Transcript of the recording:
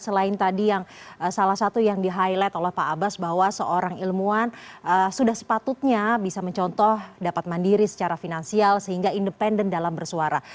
selain tadi yang salah satu yang di highlight oleh pak abbas bahwa seorang ilmuwan sudah sepatutnya bisa mencontoh dapat mandiri secara finansial sehingga independen dalam bersuara